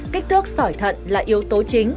kích thước sỏi thận là yếu tố chính